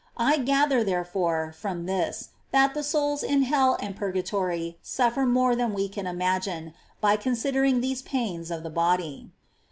I gather, therefore, from this, that the souls in hell and purgatory suffer more than we can imagine, by considering these pains of the body.